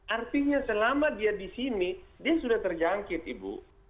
artinya selama dia di sini dia sudah terjangkit ibu